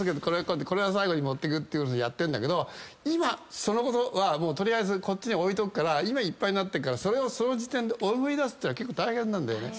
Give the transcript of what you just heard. これは最後に持ってくってやってんだけど今そのことは置いとくから今いっぱいになってるからそれをその時点で思い出すってのは結構大変なんだよね。